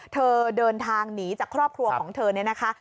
เธอเดินทางหนีจากครอบครัวของเธอเนี่ยนะคะ